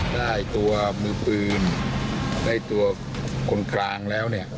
ได้ตัวมือปืนได้ตัวคนกลางแล้วเนี่ย